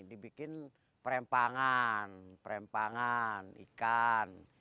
dibikin perempangan perempangan ikan